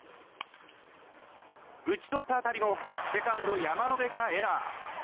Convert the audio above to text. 打ち取った当たりもセカンド、山野辺がエラー。